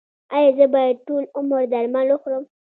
ایا زه باید ټول عمر درمل وخورم؟